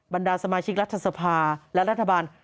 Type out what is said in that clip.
บรรดาสมาชิกรัฐสภาและรัฐบาล